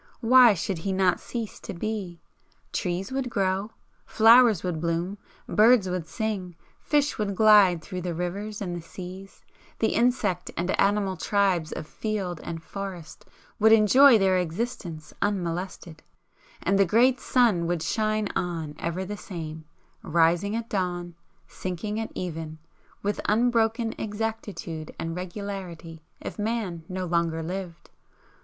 Why should he not cease to be? Trees would grow, flowers would bloom, birds would sing, fish would glide through the rivers and the seas, the insect and animal tribes of field and forest would enjoy their existence unmolested, and the great sun would shine on ever the same, rising at dawn, sinking at even, with unbroken exactitude and regularity if Man no longer lived.